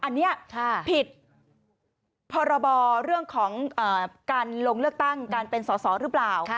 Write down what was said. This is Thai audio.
อันนี้ผิดพรบเรื่องของการลงเลือกตั้งการเป็นสอสอหรือเปล่า